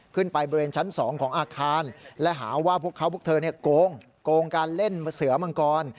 ขึ้นไปบริเวณชั้น๒ของอาการหาว่าพวกเขาก้งการเล่นเสื้อมังกร